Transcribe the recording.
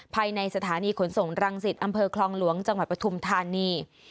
ภายในสถานีขนส่งรังสิตอำเภอคลองหลวงจังหวัดปฐุมธานี